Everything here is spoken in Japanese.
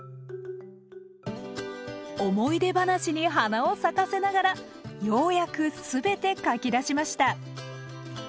思い出話に花を咲かせながらようやくすべてかき出しました。